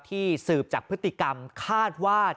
สืบจากพฤติกรรมคาดว่า